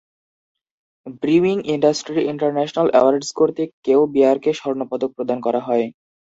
Brewing industry international awards কর্তৃক কেও বিয়ারকে স্বর্ণপদক প্রদান করা হয়।